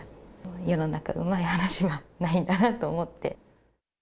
世の中うまい話はないなと思って。